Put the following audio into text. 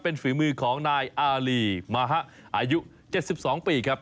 เป็นฝีมือของนายอารีมาฮะอายุ๗๒ปีครับ